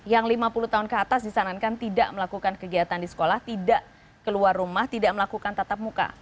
yang lima puluh tahun ke atas disarankan tidak melakukan kegiatan di sekolah tidak keluar rumah tidak melakukan tatap muka